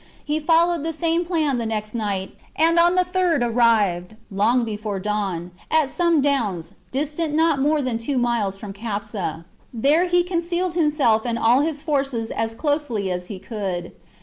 He followed the same plan the next night, and on the third arrived, long before dawn, at some downs, distant not more than two mites from Capsa ; there he concealed himself and all his forces as closely as he could.